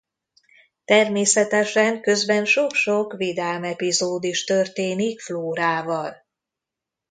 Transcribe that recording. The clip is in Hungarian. Természetesen közben sok-sok vidám epizód is történik Flórával.